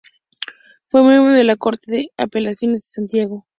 Fue miembro de la Corte de Apelaciones de Santiago.